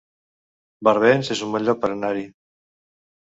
Barbens es un bon lloc per anar-hi